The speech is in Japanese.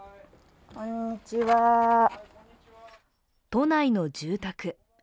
都内の住宅。